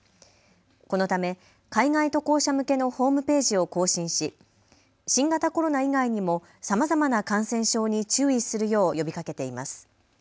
このため海外渡航者向けのホームページを更新し新型コロナ以外にもさまざまな感染症に注意するよう呼びかけています。